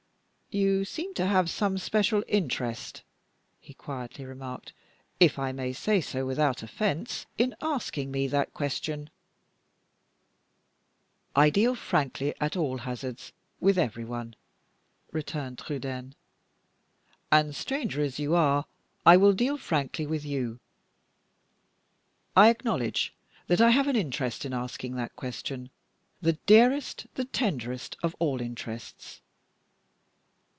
"You seem to have some special interest," he quietly remarked, "if I may say so without offense, in asking me that question." "I deal frankly, at all hazards, with every one," returned Trudaine; "and stranger as you are, I will deal frankly with you. I acknowledge that I have an interest in asking that question the dearest, the tenderest of all interests."